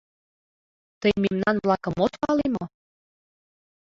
— Тый мемнан-влакым от пале мо?